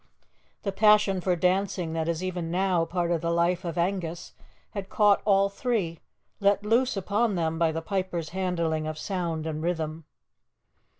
The passion for dancing that is even now part of the life of Angus had caught all three, let loose upon them by the piper's handling of sound and rhythm.